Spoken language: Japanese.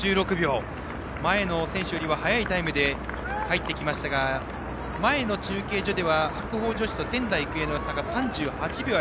前の選手よりも早いタイムで入ってきましたが前の中継所では白鵬女子と仙台育英との差が３８秒。